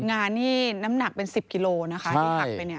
งานนี่น้ำหนักเป็น๑๐กิโลนะคะที่หักไปเนี่ย